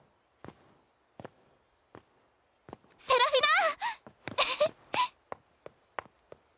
セセラフィナ？